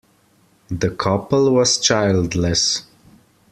The couple was childless.